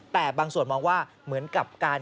แต่บางส่วนมองว่าเหมือนกับการ